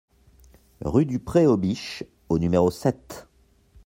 Rue du Pré aux Biches au numéro sept